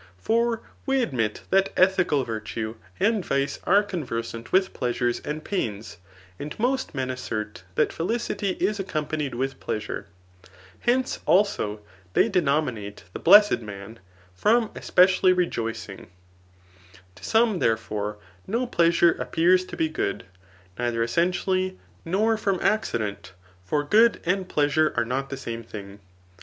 For we admit that ethical virtue and vice are conversant with pleasures and pains ; and most men assert that felicity is accom panied with pleasure. Hence, also, they denominate the blessed man^ {[laxapiov)^ from espedalhf rejoicing (a^ro roti ftaXi(rra j^ai^tiv.) To some, therefore, no pleasure appears to be good, ndther essentially, nor from acci^ dent ; for good and pleasure are not the same thing.